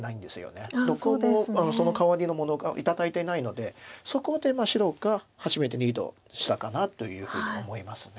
どこもそのかわりのもの頂いてないのでそこで白が初めてリードしたかなというふうに思います。